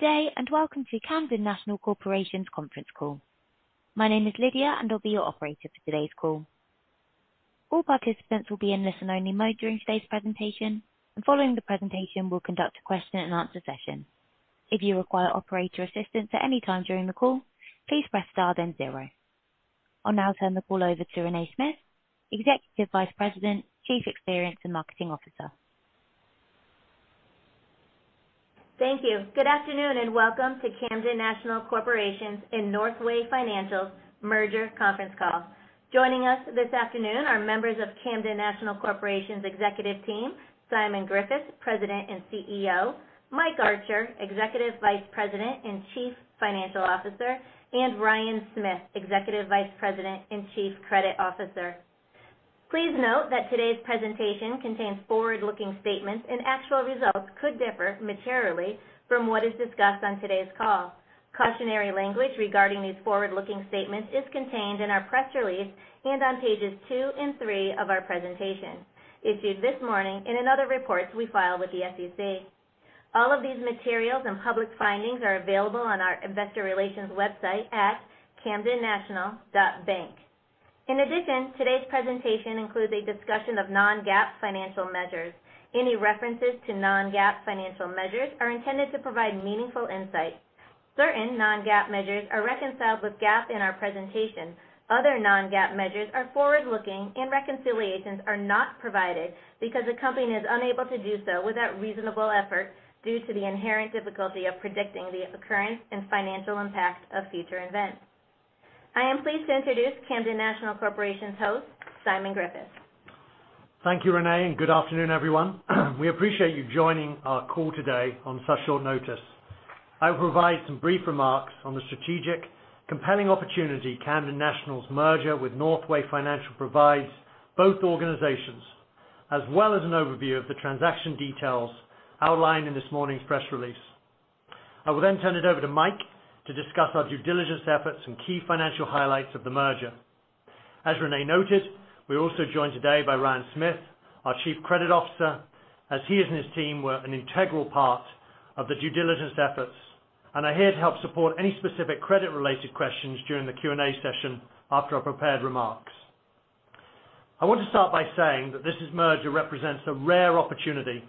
Good day, and welcome to Camden National Corporation's conference call. My name is Lydia, and I'll be your operator for today's call. All participants will be in listen-only mode during today's presentation, and following the presentation, we'll conduct a question-and-answer session. If you require operator assistance at any time during the call, please press star then zero. I'll now turn the call over to Renée Smyth, Executive Vice President, Chief Experience and Marketing Officer. Thank you. Good afternoon, and welcome to Camden National Corporation's and Northway Financial's merger conference call. Joining us this afternoon are members of Camden National Corporation's executive team, Simon Griffiths, President and CEO, Mike Archer, Executive Vice President and Chief Financial Officer, and Ryan Smith, Executive Vice President and Chief Credit Officer. Please note that today's presentation contains forward-looking statements, and actual results could differ materially from what is discussed on today's call. Cautionary language regarding these forward-looking statements is contained in our press release and on pages two and three of our presentation, issued this morning and other reports we filed with the SEC. All of these materials and public filings are available on our Investor Relations website at CamdenNational.bank. In addition, today's presentation includes a discussion of non-GAAP financial measures. Any references to non-GAAP financial measures are intended to provide meaningful insight. Certain non-GAAP measures are reconciled with GAAP in our presentation. Other non-GAAP measures are forward-looking, and reconciliations are not provided because the company is unable to do so without reasonable effort due to the inherent difficulty of predicting the occurrence and financial impact of future events. I am pleased to introduce Camden National Corporation's host, Simon Griffiths. Thank you, Renée, and good afternoon, everyone. We appreciate you joining our call today on such short notice. I will provide some brief remarks on the strategic, compelling opportunity Camden National's merger with Northway Financial provides both organizations, as well as an overview of the transaction details outlined in this morning's press release. I will then turn it over to Mike to discuss our due diligence efforts and key financial highlights of the merger. As Renée noted, we're also joined today by Ryan Smith, our Chief Credit Officer, as he and his team were an integral part of the due diligence efforts and are here to help support any specific credit-related questions during the Q&A session after our prepared remarks. I want to start by saying that this merger represents a rare opportunity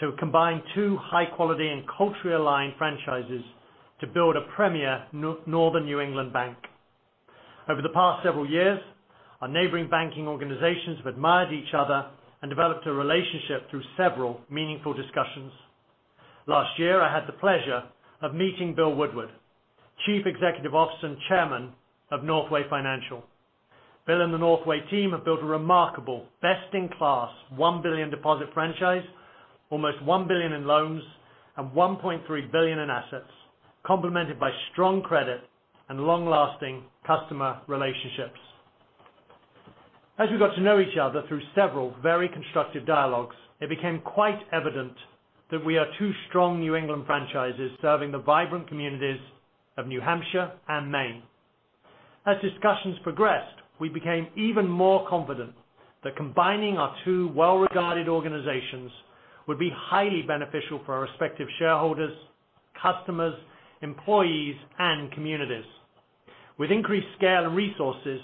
to combine two high-quality and culturally aligned franchises to build a premier Northern New England bank. Over the past several years, our neighboring banking organizations have admired each other and developed a relationship through several meaningful discussions. Last year, I had the pleasure of meeting Bill Woodward, Chief Executive Officer and Chairman of Northway Financial. Bill and the Northway team have built a remarkable, best-in-class, $1 billion deposit franchise, almost $1 billion in loans, and $1.3 billion in assets, complemented by strong credit and long-lasting customer relationships. As we got to know each other through several very constructive dialogues, it became quite evident that we are two strong New England franchises serving the vibrant communities of New Hampshire and Maine. As discussions progressed, we became even more confident that combining our two well-regarded organizations would be highly beneficial for our respective shareholders, customers, employees, and communities. With increased scale and resources,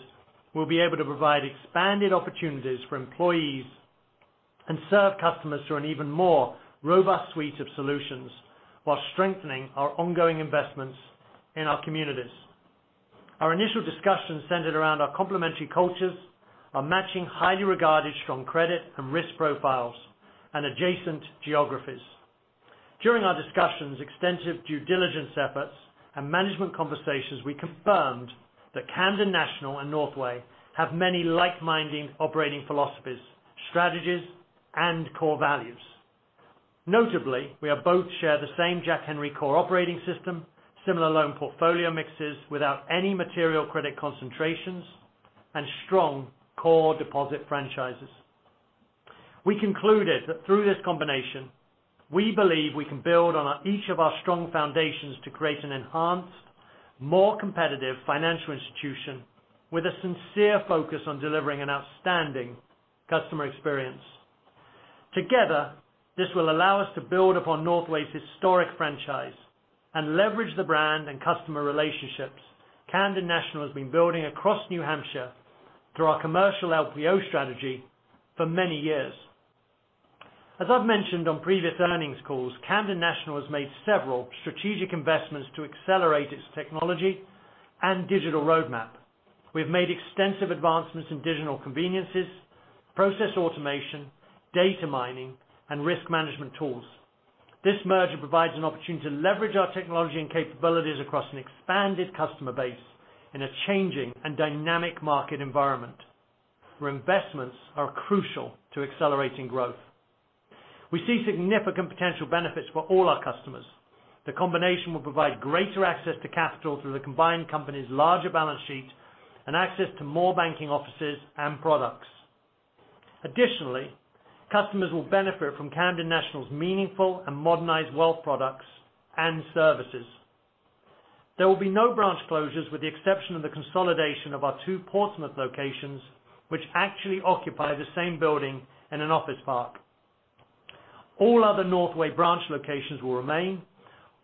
we'll be able to provide expanded opportunities for employees and serve customers through an even more robust suite of solutions while strengthening our ongoing investments in our communities. Our initial discussions centered around our complementary cultures, our matching, highly regarded, strong credit and risk profiles, and adjacent geographies. During our discussions, extensive due diligence efforts, and management conversations, we confirmed that Camden National and Northway have many like-minded operating philosophies, strategies, and core values. Notably, we both share the same Jack Henry core operating system, similar loan portfolio mixes without any material credit concentrations, and strong core deposit franchises. We concluded that through this combination, we believe we can build on our, each of our strong foundations to create an enhanced, more competitive financial institution with a sincere focus on delivering an outstanding customer experience. Together, this will allow us to build upon Northway's historic franchise and leverage the brand and customer relationships Camden National has been building across New Hampshire through our commercial LPO strategy for many years. As I've mentioned on previous earnings calls, Camden National has made several strategic investments to accelerate its technology and digital roadmap. We've made extensive advancements in digital conveniences, process automation, data mining, and risk management tools. This merger provides an opportunity to leverage our technology and capabilities across an expanded customer base in a changing and dynamic market environment, where investments are crucial to accelerating growth. We see significant potential benefits for all our customers. The combination will provide greater access to capital through the combined company's larger balance sheet and access to more banking offices and products. Additionally, customers will benefit from Camden National's meaningful and modernized wealth products and services. There will be no branch closures, with the exception of the consolidation of our two Portsmouth locations, which actually occupy the same building in an office park. All other Northway branch locations will remain,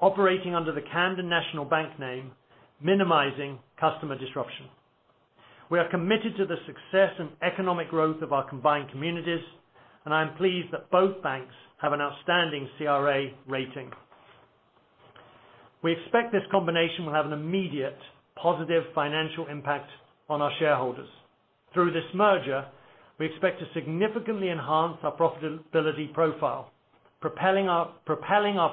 operating under the Camden National Bank name, minimizing customer disruption. We are committed to the success and economic growth of our combined communities, and I am pleased that both banks have an outstanding CRA rating. We expect this combination will have an immediate positive financial impact on our shareholders. Through this merger, we expect to significantly enhance our profitability profile, propelling our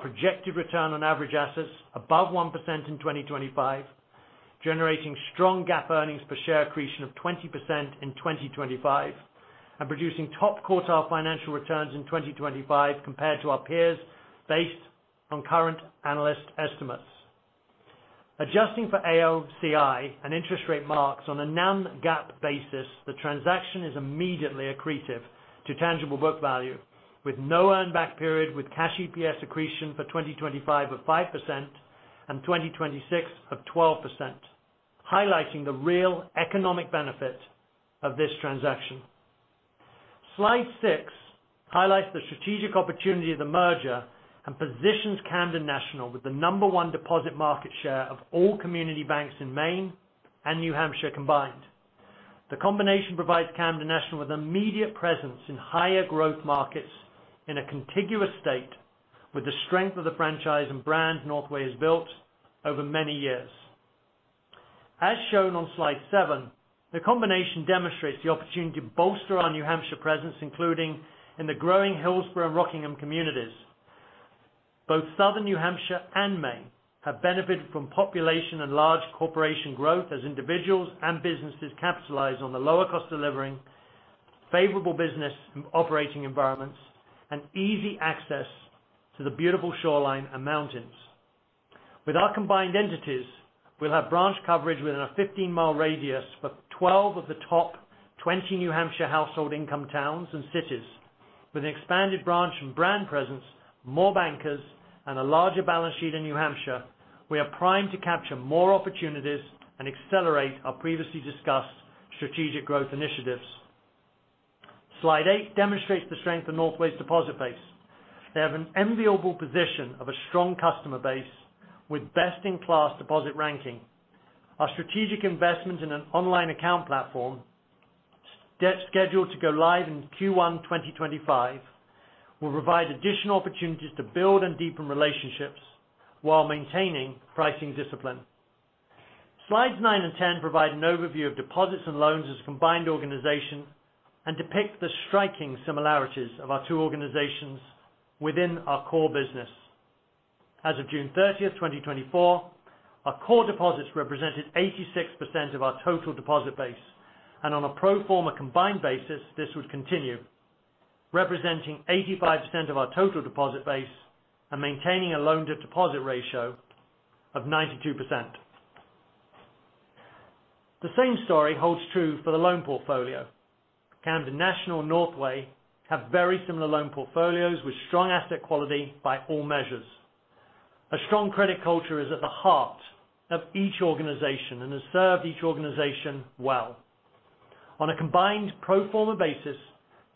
projected return on average assets above 1% in 2025, generating strong GAAP earnings per share accretion of 20% in 2025, and producing top quartile financial returns in 2025 compared to our peers, based on current analyst estimates. Adjusting for AOCI and interest rate marks on a non-GAAP basis, the transaction is immediately accretive to tangible book value, with no earn back period, with cash EPS accretion for 2025 of 5% and 2026 of 12%, highlighting the real economic benefit of this transaction. Slide six highlights the strategic opportunity of the merger and positions Camden National with the number one deposit market share of all community banks in Maine and New Hampshire combined. The combination provides Camden National with immediate presence in higher growth markets in a contiguous state, with the strength of the franchise and brand Northway has built over many years. As shown on slide seven, the combination demonstrates the opportunity to bolster our New Hampshire presence, including in the growing Hillsborough and Rockingham communities. Both Southern New Hampshire and Maine have benefited from population and large corporation growth, as individuals and businesses capitalize on the lower cost of living, favorable business and operating environments, and easy access to the beautiful shoreline and mountains. With our combined entities, we'll have branch coverage within a 15-mile radius for 12 of the top 20 New Hampshire household income towns and cities. With an expanded branch and brand presence, more bankers, and a larger balance sheet in New Hampshire, we are primed to capture more opportunities and accelerate our previously discussed strategic growth initiatives. Slide eight demonstrates the strength of Northway's deposit base. They have an enviable position of a strong customer base with best-in-class deposit ranking. Our strategic investment in an online account platform, scheduled to go live in Q1 2025, will provide additional opportunities to build and deepen relationships while maintaining pricing discipline. Slides nine and 10 provide an overview of deposits and loans as a combined organization and depict the striking similarities of our two organizations within our core business. As of June 30th, 2024, our core deposits represented 86% of our total deposit base, and on a pro forma combined basis, this would continue, representing 85% of our total deposit base and maintaining a loan-to-deposit ratio of 92%. The same story holds true for the loan portfolio. Camden National and Northway have very similar loan portfolios with strong asset quality by all measures. A strong credit culture is at the heart of each organization and has served each organization well. On a combined pro forma basis,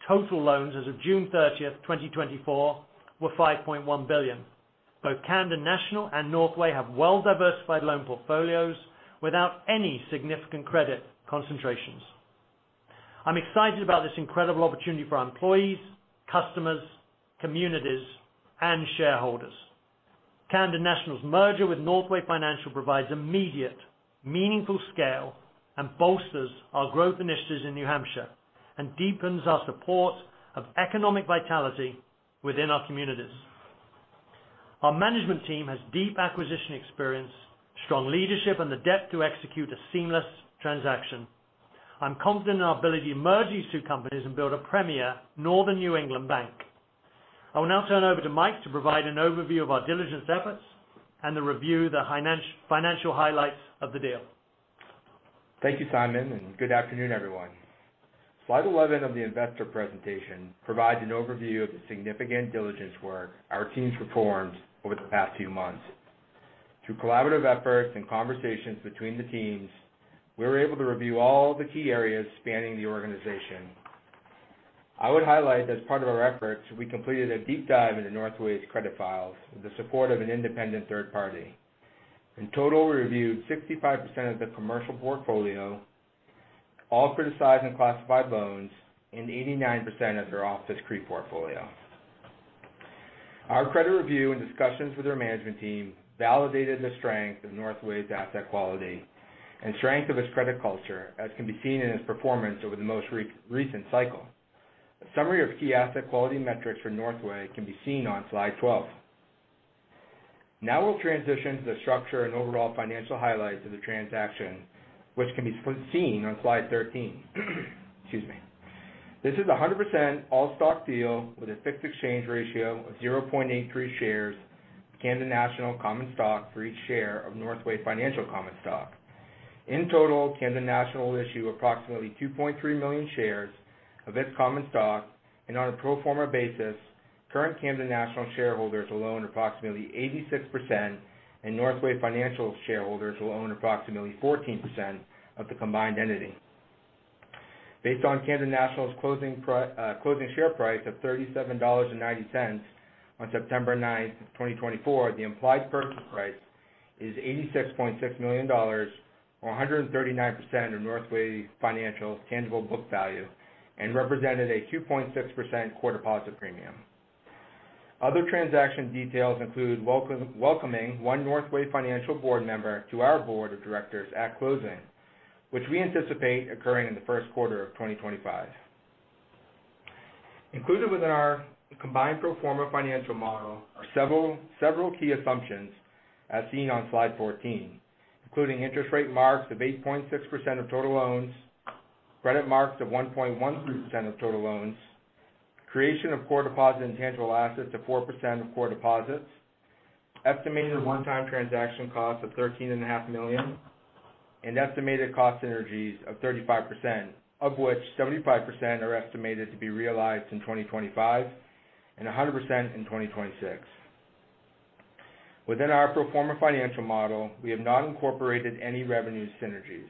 total loans as of June 30th, 2024, were $5.1 billion. Both Camden National and Northway have well-diversified loan portfolios without any significant credit concentrations. I'm excited about this incredible opportunity for our employees, customers, communities, and shareholders. Camden National's merger with Northway Financial provides immediate, meaningful scale and bolsters our growth initiatives in New Hampshire and deepens our support of economic vitality within our communities. Our management team has deep acquisition experience, strong leadership, and the depth to execute a seamless transaction. I'm confident in our ability to merge these two companies and build a premier Northern New England bank. I will now turn it over to Mike to provide an overview of our diligence efforts and to review the financial highlights of the deal. Thank you, Simon, and good afternoon, everyone. Slide 11 of the investor presentation provides an overview of the significant diligence work our teams performed over the past few months. Through collaborative efforts and conversations between the teams, we were able to review all the key areas spanning the organization. I would highlight that as part of our efforts, we completed a deep dive into Northway's credit files with the support of an independent third party. In total, we reviewed 65% of the commercial portfolio, all criticized and classified loans, and 89% of their CRE portfolio. Our credit review and discussions with their management team validated the strength of Northway's asset quality and strength of its credit culture, as can be seen in its performance over the most recent cycle. A summary of key asset quality metrics for Northway can be seen on slide 12. Now we'll transition to the structure and overall financial highlights of the transaction, which can be seen on slide 13. Excuse me. This is a 100% all-stock deal with a fixed exchange ratio of 0.83 shares of Camden National common stock for each share of Northway Financial common stock. In total, Camden National will issue approximately 2.3 million shares of its common stock, and on a pro forma basis, current Camden National shareholders will own approximately 86%, and Northway Financial shareholders will own approximately 14% of the combined entity. Based on Camden National's closing share price of $37.90 on September ninth, 2024, the implied purchase price is $86.6 million, or 139% of Northway Financial's tangible book value, and represented a 2.6% core deposit premium. Other transaction details include welcoming one Northway Financial board member to our board of directors at closing, which we anticipate occurring in the first quarter of 2025. Included within our combined pro forma financial model are several key assumptions, as seen on slide 14, including interest rate marks of 8.6% of total loans, credit marks of 1.13% of total loans, creation of core deposit intangible assets of 4% of core deposits, estimated one-time transaction costs of $13.5 million, and estimated cost synergies of 35%, of which 75% are estimated to be realized in 2025 and 100% in 2026. Within our pro forma financial model, we have not incorporated any revenue synergies.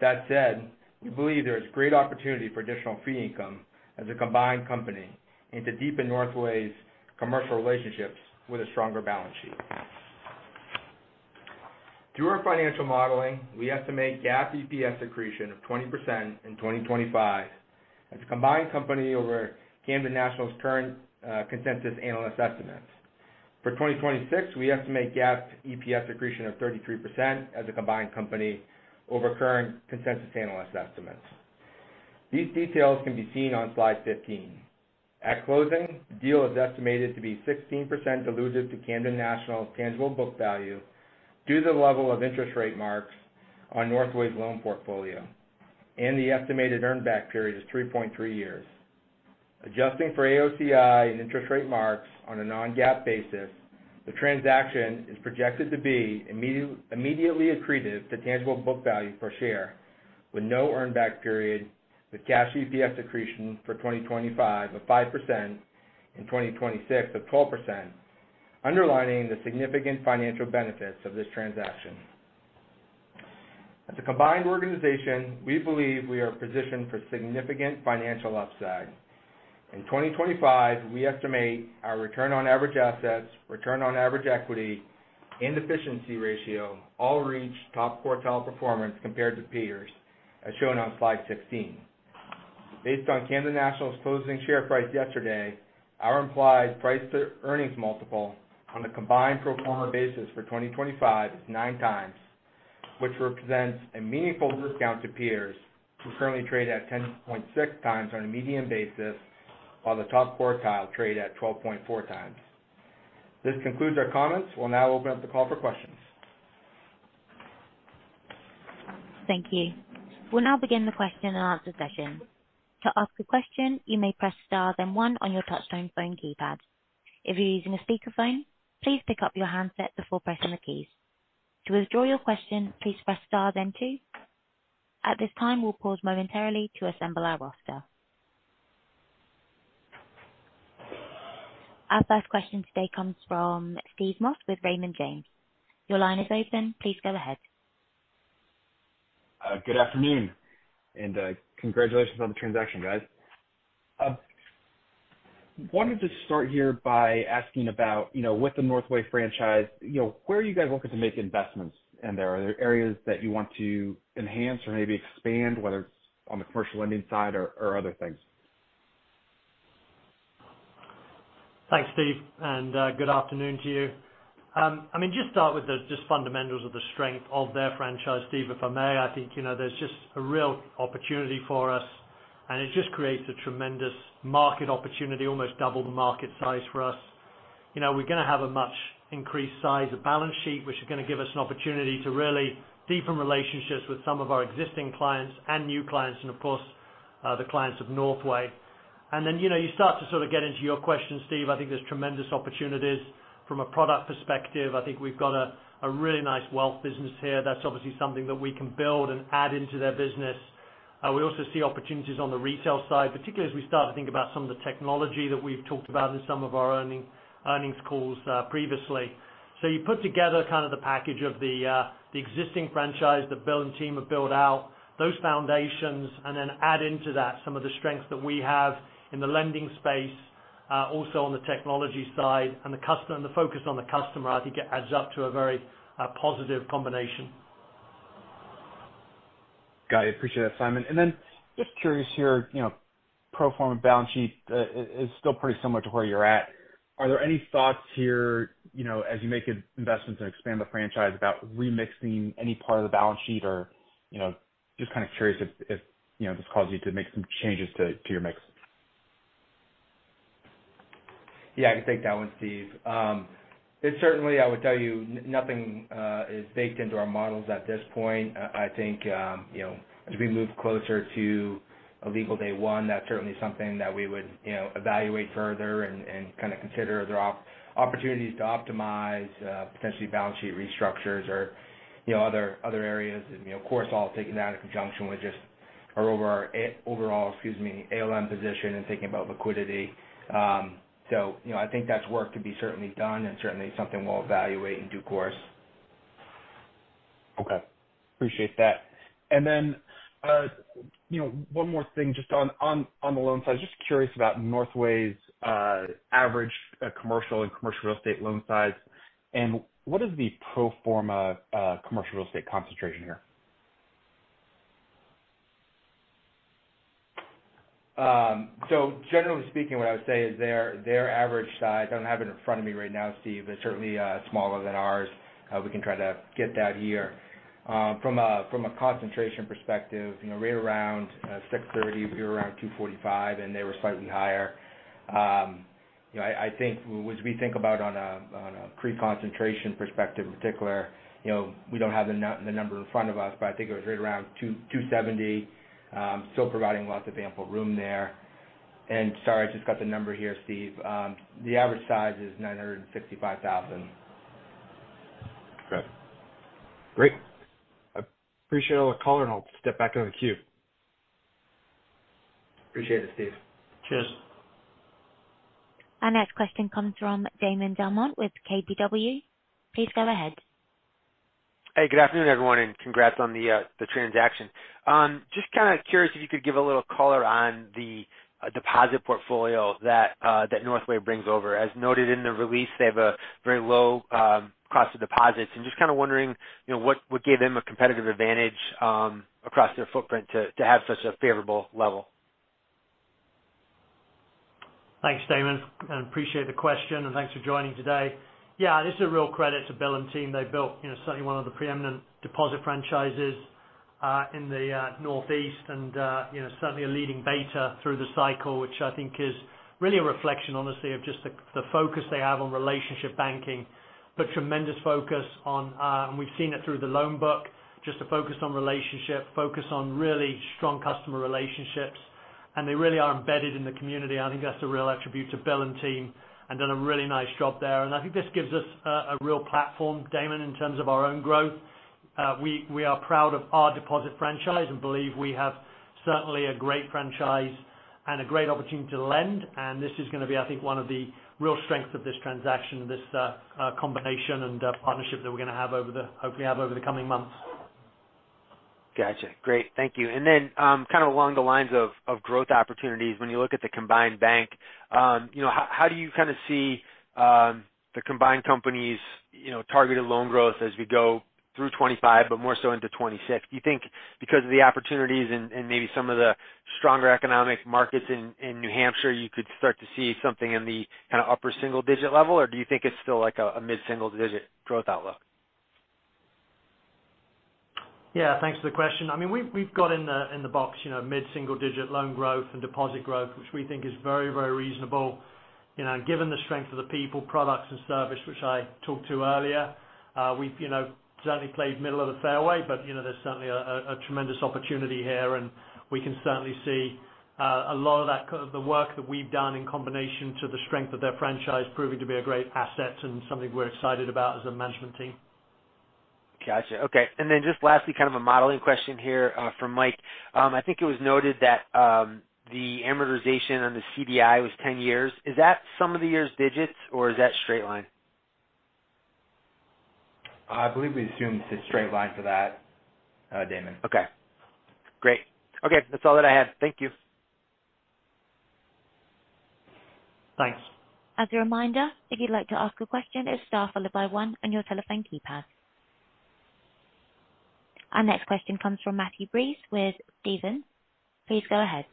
That said, we believe there is great opportunity for additional fee income as a combined company, and to deepen Northway's commercial relationships with a stronger balance sheet. Through our financial modeling, we estimate GAAP EPS accretion of 20% in 2025 as a combined company over Camden National's current consensus analyst estimates. For 2026, we estimate GAAP EPS accretion of 33% as a combined company over current consensus analyst estimates. These details can be seen on slide 15. At closing, the deal is estimated to be 16% dilutive to Camden National's tangible book value due to the level of interest rate marks on Northway's loan portfolio, and the estimated earn back period is 3.3 years. Adjusting for AOCI and interest rate marks on a non-GAAP basis, the transaction is projected to be immediately accretive to tangible book value per share, with no earn back period, with cash EPS accretion for 2025 of 5% and 2026 of 12%, underlining the significant financial benefits of this transaction. As a combined organization, we believe we are positioned for significant financial upside. In 2025, we estimate our return on average assets, return on average equity, and efficiency ratio all reach top quartile performance compared to peers, as shown on slide 16. Based on Camden National's closing share price yesterday, our implied price to earnings multiple on a combined pro forma basis for 2025 is 9x, which represents a meaningful discount to peers, who currently trade at 10.6x on a median basis, while the top quartile trade at 12.4x. This concludes our comments. We'll now open up the call for questions. Thank you. We'll now begin the question and answer session. To ask a question, you may press star then one on your touchtone phone keypad. If you're using a speakerphone, please pick up your handset before pressing the keys. To withdraw your question, please press star then two. At this time, we'll pause momentarily to assemble our roster. Our first question today comes from Steve Moss with Raymond James. Your line is open. Please go ahead. Good afternoon, and congratulations on the transaction, guys. Wanted to start here by asking about, you know, with the Northway franchise, you know, where are you guys looking to make investments in there? Are there areas that you want to enhance or maybe expand, whether it's on the commercial lending side or other things? Thanks, Steve, and good afternoon to you. I mean, just start with the fundamentals of the strength of their franchise, Steve, if I may. I think, you know, there's just a real opportunity for us, and it just creates a tremendous market opportunity, almost double the market size for us. You know, we're gonna have a much increased size of balance sheet, which is gonna give us an opportunity to really deepen relationships with some of our existing clients and new clients and, of course, the clients of Northway, and then, you know, you start to sort of get into your question, Steve. I think there's tremendous opportunities from a product perspective. I think we've got a really nice wealth business here. That's obviously something that we can build and add into their business. We also see opportunities on the retail side, particularly as we start to think about some of the technology that we've talked about in some of our earnings calls previously. So you put together kind of the package of the existing franchise that Bill and team have built out, those foundations, and then add into that some of the strengths that we have in the lending space, also on the technology side and the customer and the focus on the customer. I think it adds up to a very positive combination. Got it. Appreciate it, Simon. And then just curious here, you know, pro forma balance sheet is still pretty similar to where you're at. Are there any thoughts here, you know, as you make investments and expand the franchise, about remixing any part of the balance sheet or, you know, just kind of curious if, you know, this caused you to make some changes to your mix? Yeah, I can take that one, Steve. It's certainly, I would tell you, nothing is baked into our models at this point. I think, you know, as we move closer to a legal day one, that's certainly something that we would, you know, evaluate further and kind of consider. Are there opportunities to optimize, potentially balance sheet restructures or, you know, other areas? And, you know, of course, all taking that in conjunction with or over our overall, excuse me, ALM position and thinking about liquidity. So, you know, I think that's work to be certainly done and certainly something we'll evaluate in due course. Okay. Appreciate that. And then, you know, one more thing just on the loan side. Just curious about Northway's average commercial and commercial real estate loan size, and what is the pro forma commercial real estate concentration here? So generally speaking, what I would say is their average size. I don't have it in front of me right now, Steve, but certainly smaller than ours. We can try to get that here. From a concentration perspective, you know, right around 6.30, we were around 2.45, and they were slightly higher. You know, I think as we think about on a CRE concentration perspective in particular, you know, we don't have the number in front of us, but I think it was right around 2.70. Still providing lots of ample room there. Sorry, I just got the number here, Steve. The average size is $965,000. Okay. Great. I appreciate all the color, and I'll step back in the queue. Appreciate it, Steve. Cheers. Our next question comes from Damon DelMonte with KBW. Please go ahead. Hey, good afternoon, everyone, and congrats on the transaction. Just kind of curious if you could give a little color on the deposit portfolio that Northway brings over. As noted in the release, they have a very low cost of deposits. And just kind of wondering, you know, what gave them a competitive advantage across their footprint to have such a favorable level? Thanks, Damon, and appreciate the question, and thanks for joining today. Yeah, this is a real credit to Bill and team. They built, you know, certainly one of the preeminent deposit franchises in the Northeast and, you know, certainly a leading beta through the cycle, which I think is really a reflection, honestly, of just the focus they have on relationship banking. But tremendous focus on, we've seen it through the loan book, just a focus on relationship, focus on really strong customer relationships, and they really are embedded in the community. I think that's a real attribute to Bill and team and done a really nice job there. And I think this gives us a real platform, Damon, in terms of our own growth. We are proud of our deposit franchise and believe we have certainly a great franchise and a great opportunity to lend. And this is gonna be, I think, one of the real strengths of this transaction, this combination and partnership that we're gonna have, hopefully, over the coming months. Gotcha. Great. Thank you. And then, kind of along the lines of growth opportunities, when you look at the combined bank, you know, how do you kind of see the combined companies, you know, targeted loan growth as we go through 2025 but more so into 2026? Do you think because of the opportunities and maybe some of the stronger economic markets in New Hampshire, you could start to see something in the kind of upper single digit level, or do you think it's still like a mid-single digit growth outlook? Yeah, thanks for the question. I mean, we've got in the box, you know, mid-single digit loan growth and deposit growth, which we think is very, very reasonable. You know, given the strength of the people, products and service, which I talked to earlier, we've, you know, certainly played middle of the fairway, but, you know, there's certainly a tremendous opportunity here, and we can certainly see a lot of that kind of the work that we've done in combination to the strength of their franchise proving to be a great asset and something we're excited about as a management team. Gotcha. Okay. And then just lastly, kind of a modeling question here from Mike. I think it was noted that the amortization on the CDI was 10 years. Is that sum of the years' digits, or is that straight line? I believe we assumed it's straight line for that, Damon. Okay, great. Okay, that's all that I have. Thank you. Thanks. As a reminder, if you'd like to ask a question, it's star followed by one on your telephone keypad. Our next question comes from Matthew Breese with Stephens. Please go ahead.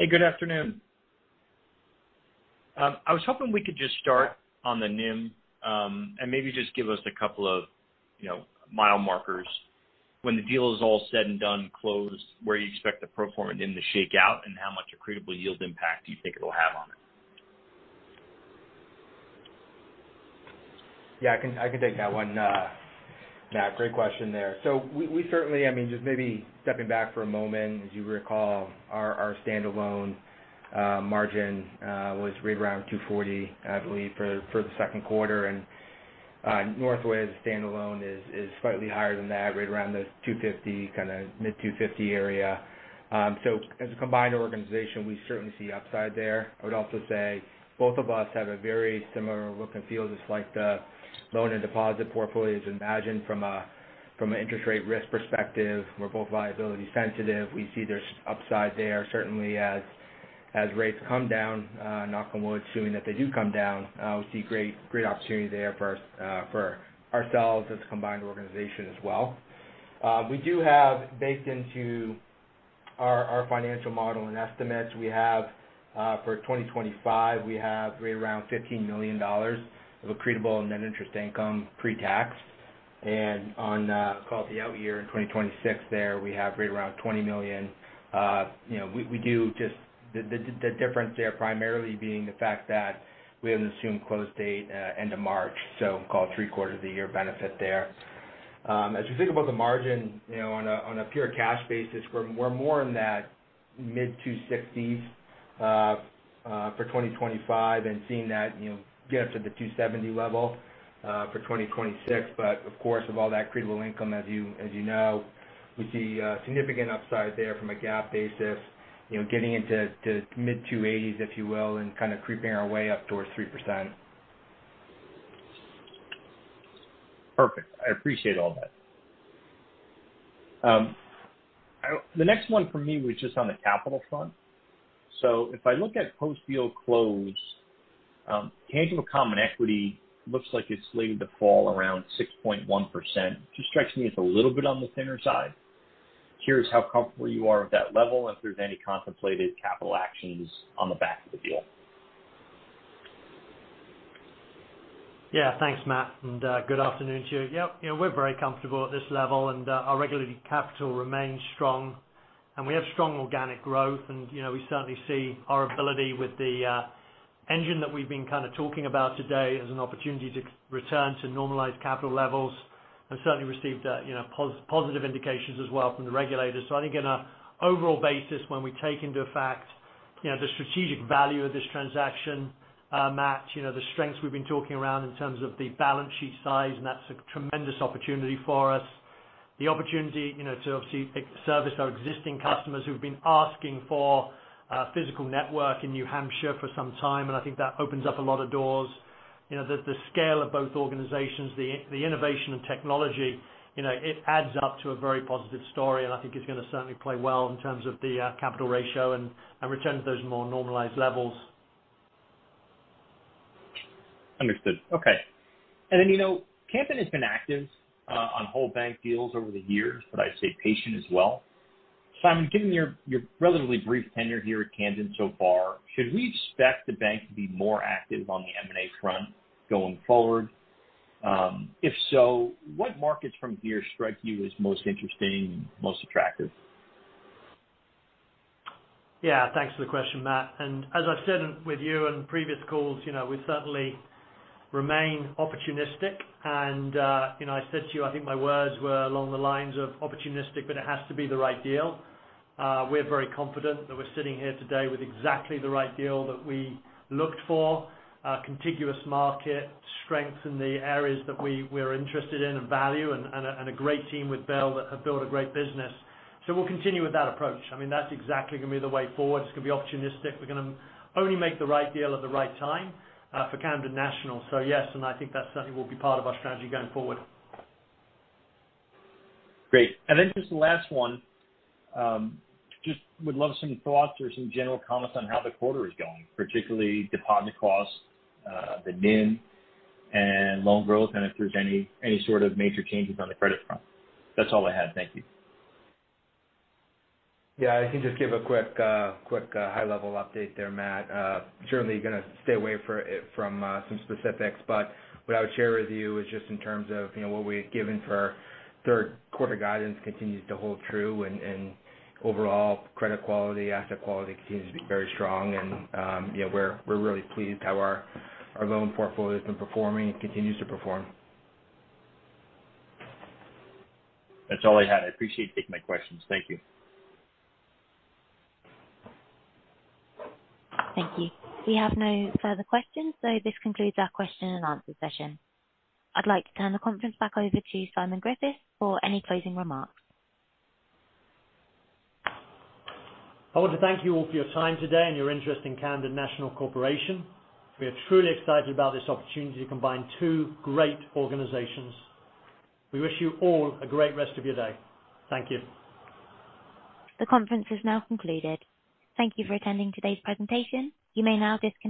Hey, good afternoon. I was hoping we could just start on the NIM, and maybe just give us a couple of, you know, mile markers. When the deal is all said and done, closed, where you expect the pro forma NIM to shake out and how much accretable yield impact do you think it'll have on it? Yeah, I can take that one, Matt, great question there. So we certainly... I mean, just maybe stepping back for a moment, as you recall, our standalone margin was right around 2.40%, I believe, for the second quarter. And Northway's standalone is slightly higher than that, right around the 2.50%, kind of mid-2.50% area. So as a combined organization, we certainly see upside there. I would also say both of us have a very similar look and feel just like the loan and deposit portfolio as imagined from an interest rate risk perspective. We're both liability sensitive. We see there's upside there certainly as rates come down, knock on wood, assuming that they do come down, we see great, great opportunity there for ourselves as a combined organization as well. We do have, baked into our financial model and estimates, we have for 2025, we have right around $15 million of accretable and net interest income pre-tax. And on, call it the out year in 2026 there, we have right around $20 million. You know, we do just the difference there primarily being the fact that we have an assumed close date, end of March, so call it three quarters of the year benefit there. As you think about the margin, you know, on a pure cash basis, we're more in that-... Mid-$2.60s for 2025, and seeing that, you know, get up to the $2.70 level for 2026. But of course, with all that accretive income, as you know, we see significant upside there from a GAAP basis, you know, getting into the mid-$2.80s, if you will, and kind of creeping our way up towards 3%. Perfect. I appreciate all that. The next one for me was just on the capital front, so if I look at post-deal close, tangible common equity looks like it's slated to fall around 6.1%. Just strikes me as a little bit on the thinner side. Curious how comfortable you are with that level, and if there's any contemplated capital actions on the back of the deal? Yeah, thanks, Matt, and good afternoon to you. Yep, you know, we're very comfortable at this level, and our regulatory capital remains strong, and we have strong organic growth. And, you know, we certainly see our ability with the engine that we've been kind of talking about today as an opportunity to return to normalized capital levels. And certainly received, you know, positive indications as well from the regulators. So I think on a overall basis, when we take into effect, you know, the strategic value of this transaction, Matt, you know, the strengths we've been talking around in terms of the balance sheet size, and that's a tremendous opportunity for us. The opportunity, you know, to obviously service our existing customers who've been asking for a physical network in New Hampshire for some time, and I think that opens up a lot of doors. You know, the scale of both organizations, the innovation and technology, you know, it adds up to a very positive story, and I think it's gonna certainly play well in terms of the capital ratio and return to those more normalized levels. Understood. Okay. And then, you know, Camden has been active on whole bank deals over the years, but I'd say patient as well. Simon, given your relatively brief tenure here at Camden so far, should we expect the bank to be more active on the M&A front going forward? If so, what markets from here strike you as most interesting and most attractive? Yeah, thanks for the question, Matt. And as I've said with you on previous calls, you know, we certainly remain opportunistic. And, you know, I said to you, I think my words were along the lines of opportunistic, but it has to be the right deal. We're very confident that we're sitting here today with exactly the right deal that we looked for. A contiguous market, strength in the areas that we're interested in and value, and a great team with Bill that have built a great business. So we'll continue with that approach. I mean, that's exactly gonna be the way forward. It's gonna be opportunistic. We're gonna only make the right deal at the right time, for Camden National. So yes, and I think that certainly will be part of our strategy going forward. Great. And then just the last one. Just would love some thoughts or some general comments on how the quarter is going, particularly deposit costs, the NIM and loan growth, and if there's any sort of major changes on the credit front. That's all I had. Thank you. Yeah, I can just give a quick high-level update there, Matt. Certainly gonna stay away from some specifics, but what I would share with you is just in terms of, you know, what we had given for our third quarter guidance continues to hold true. Overall credit quality, asset quality continues to be very strong, and, you know, we're really pleased how our loan portfolio has been performing and continues to perform. That's all I had. I appreciate you taking my questions. Thank you. Thank you. We have no further questions, so this concludes our question and answer session. I'd like to turn the conference back over to Simon Griffiths for any closing remarks. I want to thank you all for your time today and your interest in Camden National Corporation. We are truly excited about this opportunity to combine two great organizations. We wish you all a great rest of your day. Thank you. The conference is now concluded. Thank you for attending today's presentation. You may now disconnect.